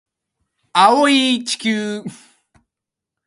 Some songs were included in the rotation on Ukrainian radio stations.